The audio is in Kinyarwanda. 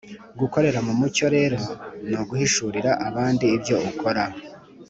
Gukorera mu mucyo rero ni uguhishurira abandi ibyo ukora